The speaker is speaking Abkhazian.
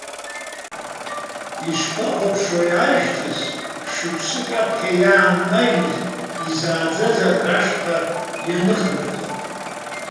Ишԥахәаԥшуеи ажәҵыс, шықәсык аԥхьа иннажьыз, изааӡаз аҭра ашҟа ианыхынҳәлак?